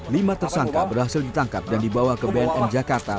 lima tersangka berhasil ditangkap dan dibawa ke bnn jakarta